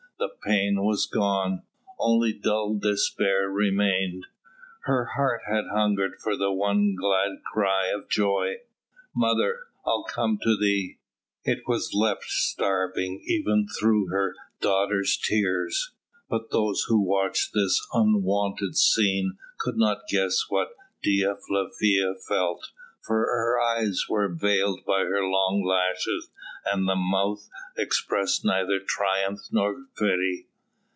The pain was gone; only dull despair remained. Her heart had hungered for the one glad cry of joy: "Mother, I'll come to thee!" It was left starving even through her daughter's tears. But those who watched this unwonted scene could not guess what Dea Flavia felt, for her eyes were veiled by her long lashes, and the mouth expressed neither triumph nor pity.